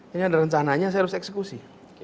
ini ada rencananya saya harus eksekusi